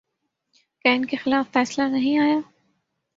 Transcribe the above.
کیا ان کے خلاف فیصلہ نہیں آیا؟